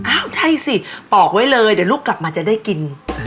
อ้าวใช่สิปอกไว้เลยเดี๋ยวลูกกลับมาจะได้กิน